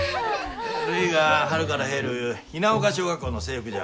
るいが春から入る雛丘小学校の制服じゃ。